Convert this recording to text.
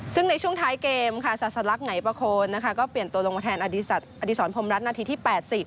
ซึ่งในช่วงท้ายเกมค่ะศาสลักไหนประโคนนะคะก็เปลี่ยนตัวลงมาแทนอดีศรพรมรัฐนาทีที่๘๐